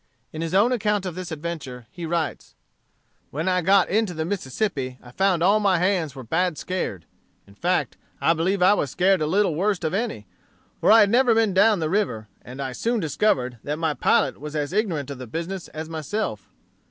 In his own account of this adventure he writes: "When I got into the Mississippi I found all my hands were bad scared. In fact, I believe I was scared a little the worst of any; for I had never been down the river, and I soon discovered that my pilot was as ignorant of the business as myself.